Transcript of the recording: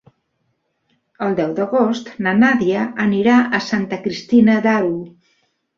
El deu d'agost na Nàdia anirà a Santa Cristina d'Aro.